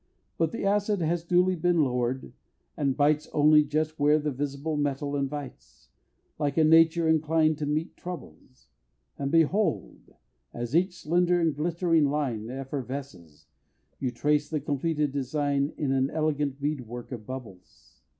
But the Acid has duly been lower'd, and bites Only just where the visible metal invites, Like a nature inclined to meet troubles; And behold! as each slender and glittering line Effervesces, you trace the completed design In an elegant bead work of bubbles!